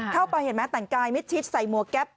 เข้าไปเห็นไหมแต่งกายมิดชิดใส่หมวกแก๊ป